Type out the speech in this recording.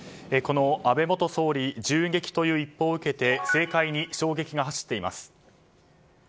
安倍元総理、銃撃という一報を受けて政界に衝撃が走っています。